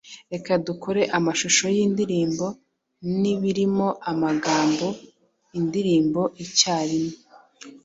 Reka dukore amashusho yindirimbo nibirimo amagambo. indirimbo icyarimwe. '